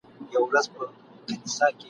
چي د ښار په منځ کی پاته لا پوهان وي !.